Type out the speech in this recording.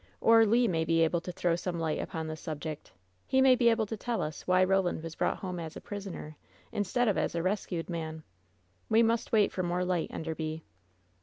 Or Le may be able to throw some light upon this subject. He may be able to tell us why Roland was brought home as a prisoner, instead of as a rescued man. We must wait for more light, Enderby."